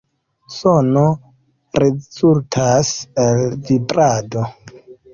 Sono rezultas el vibrado.